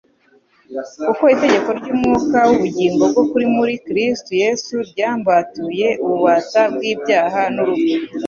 «Kuko itegeko ry'umwuka w'ubugingo bwo muri Kristo Yesu ryambatuye ububata bw'ibyaha n'urupfu.»